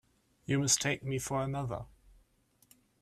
You mistake me for another.